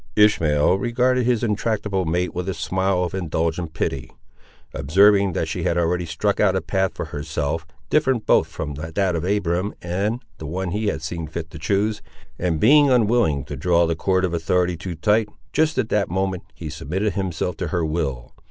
Ishmael regarded his intractable mate with a smile of indulgent pity. Observing that she had already struck out a path for herself, different both from that of Abiram and the one he had seen fit to choose, and being unwilling to draw the cord of authority too tight, just at that moment, he submitted to her will.